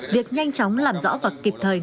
việc nhanh chóng làm rõ và kịp thời